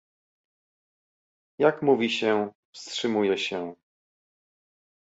Jak mówi się "wstrzymuję się"?